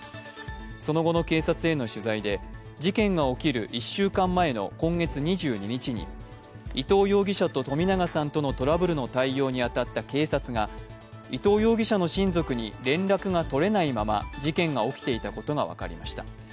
その後の警察への取材で事件が起きる１週間前の今月２２日に伊藤容疑者と冨永さんとのトラブルの対応に当たった警察が伊藤容疑者の親族に連絡が取れないまま事件が起きていたことが分かりました。